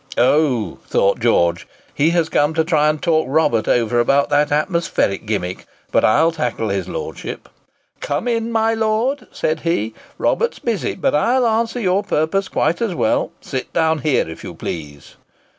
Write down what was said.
Oh! thought George, he has come to try and talk Robert over about that atmospheric gimcrack; but I'll tackle his Lordship. "Come in, my Lord," said he, "Robert's busy; but I'll answer your purpose quite as well; sit down here, if you please."